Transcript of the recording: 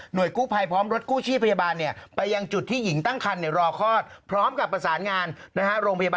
หน่วยกู้ไพพร้อมรถกู้ชี้พยาบาลนี่